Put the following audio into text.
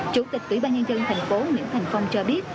chủ tịch ủy ban nhân dân thành phố nguyễn thành phong cho biết